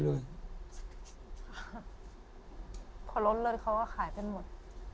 พอรถเลินเขาก็ขายไปหมด